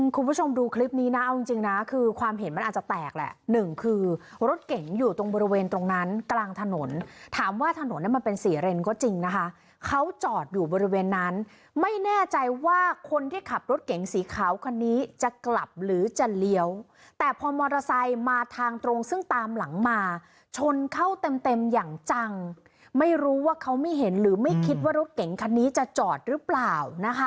คุณผู้ชมดูคลิปนี้นะเอาจริงนะคือความเห็นมันอาจจะแตกแหละหนึ่งคือรถเก่งอยู่ตรงบริเวณตรงนั้นกลางถนนถามว่าถนนมันเป็นสี่เรนก็จริงนะคะเขาจอดอยู่บริเวณนั้นไม่แน่ใจว่าคนที่ขับรถเก่งสีขาวคันนี้จะกลับหรือจะเลี้ยวแต่พอมอเตอร์ไซค์มาทางตรงซึ่งตามหลังมาชนเข้าเต็มอย่างจังไม่รู้ว่าเขา